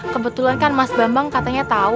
kebetulan kan mas bambang katanya tahu